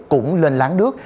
cũng lên láng nước